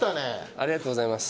ありがとうございます。